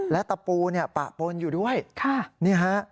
และตะปูปะปนอยู่ด้วยนี่ฮะ